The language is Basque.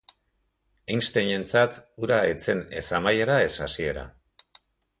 Einsteinentzat, hura ez zen ez amaiera ez hasiera.